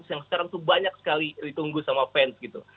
yang sekarang tuh banyak sekali ditunggu sama fans gitu